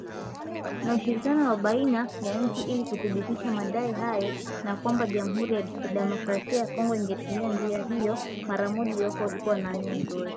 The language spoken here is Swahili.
Na ushirikiano wa baina ya nchi ili kuthibitisha madai hayo na kwamba Jamuhuri ya Kidemokrasia ya Kongo ingetumia njia hiyo mara moja iwapo walikuwa na nia nzuri”